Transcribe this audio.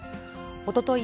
おととい